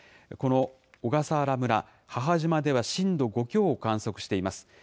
この小笠原村・母島では震度５強を観測しています。